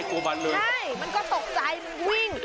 ใช่มันก็ตกใจมันวิ่ง